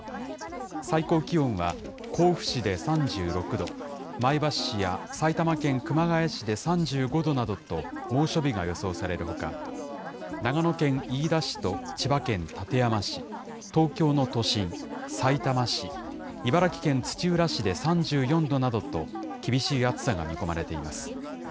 最高気温は甲府市で３６度、前橋市や埼玉県熊谷市で３５度などと、猛暑日が予想されるほか、長野県飯田市と千葉県館山市、東京の都心、さいたま市、茨城県土浦市で３４度などと、厳しい暑さが見込まれています。